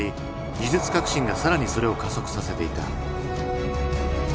技術革新が更にそれを加速させていた。